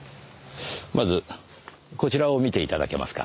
まずこちらを見て頂けますか。